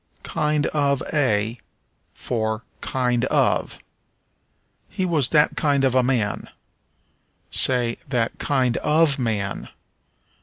Kind of a for Kind of. "He was that kind of a man." Say that kind of man.